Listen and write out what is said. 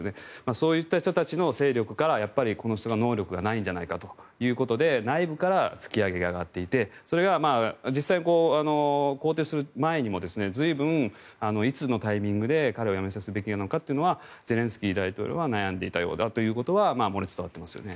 そういった人たちの勢力からこの人、能力がないんじゃないかということで内部から突き上げが上がっていて実際、更迭する前にも随分、いつのタイミングで彼を辞めさせるべきなのかというのはゼレンスキー大統領は悩んでいたようだということは漏れ伝わっていますよね。